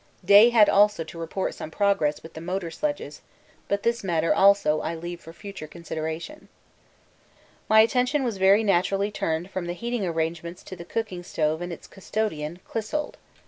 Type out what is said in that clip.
Day had also to report some progress with the motor sledges, but this matter also I leave for future consideration. My attention was very naturally turned from the heating arrangements to the cooking stove and its custodian, Clissold.